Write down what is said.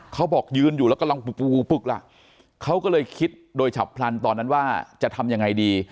เขาบอกยืนอยู่แล้วกำลังปึกปึกล่ะเขาก็เลยคิดโดยฉับพลันตอนนั้นว่าจะทำยังไงดี